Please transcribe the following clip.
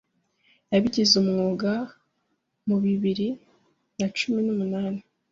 yabigize umwuga mu bibiri na cumi numunani